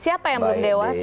siapa yang berpdewasa ini